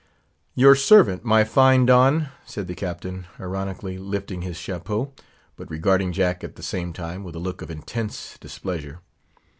"Your servant, my fine Don," said the Captain, ironically lifting his chapeau, but regarding Jack at the same time with a look of intense displeasure.